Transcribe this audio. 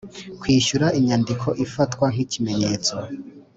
Kwishyura inyandiko ifatwa nk ikimenyetso